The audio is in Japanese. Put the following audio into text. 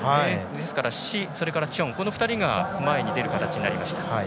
史、それからチョンこの２人が前に出る形になりました。